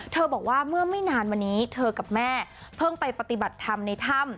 บอกว่าเมื่อไม่นานมานี้เธอกับแม่เพิ่งไปปฏิบัติธรรมในถ้ำ